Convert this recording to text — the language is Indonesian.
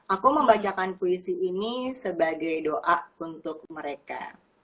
aku membacakan puisi ini sebagai doa untuk mereka